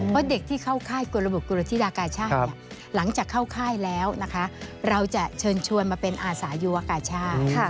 เพราะเด็กที่เข้าค่ายกลบุรธิดากาชาติหลังจากเข้าค่ายแล้วนะคะเราจะเชิญชวนมาเป็นอาสายูวกาชาติ